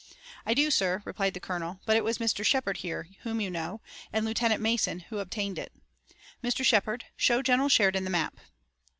"I do, sir," replied the colonel, "but it was Mr. Shepard here, whom you know, and Lieutenant Mason who obtained it. Mr. Shepard, show General Sheridan the map."